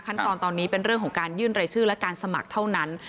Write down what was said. ขั้นตอนตอนนี้เป็นเรื่องของการยื่นรายชื่อและการสมัครเท่านั้น